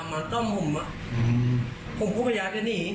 มาจ้อมผมอ่ะ